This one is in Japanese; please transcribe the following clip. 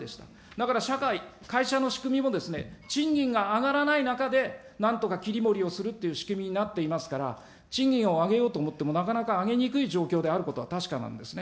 だから社会、会社の仕組みも、賃金が上がらない中で、なんとか切り盛りをするっていう仕組みになっていますから、賃金を上げようと思ってもなかなか上げにくい状況であることは確かなんですね。